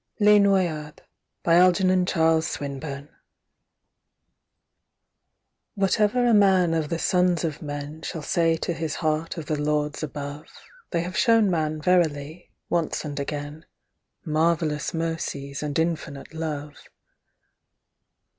LES NOYADES Whatever a man of the sons of men Shall say to his heart of the lords above, They have shown man verily, once and again, Marvellous mercies and infinite love.